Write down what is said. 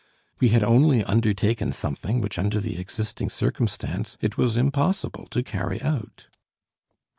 We had only undertaken something which, under the existing circumstance, it was impossible to carry out.